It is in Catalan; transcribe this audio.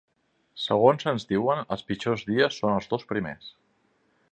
Segons ens diuen, els pitjors dies són els dos primers.